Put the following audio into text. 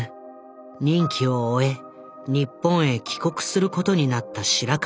任期を終え日本へ帰国することになった白川。